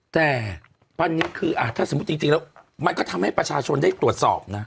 แต่วันนี้คือถ้าสมมุติจริงแล้วมันก็ทำให้ประชาชนได้ตรวจสอบนะ